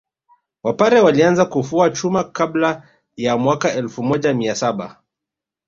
Wapare walianza kufua chuma kabla ya mwaka elfu moja mia saba